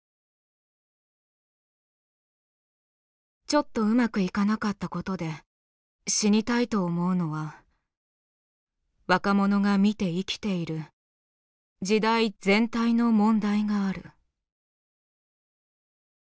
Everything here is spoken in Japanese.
「ちょっとうまくいかなかったことで死にたいと思うのは若者が見て生きている時代全体の問題がある」。